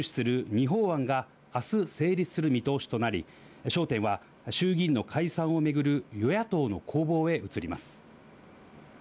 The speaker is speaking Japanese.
２法案があす成立する見通しとなり、焦点は、衆議院の解散を巡る与野党の攻防へ移ります。